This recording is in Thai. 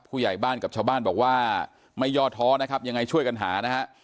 ผู้ใหญ่บ้านกับชาวบ้านบอกว่าไม่ย่อท้อนะครับยังไงช่วยกันหานะฮะ